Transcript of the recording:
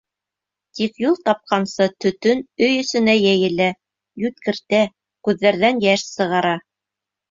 Тик юл тапҡансы төтөн өй эсенә йәйелә, йүткертә, күҙҙәрҙән йәш сығара.